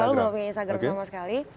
setahun lalu nggak punya instagram sama sekali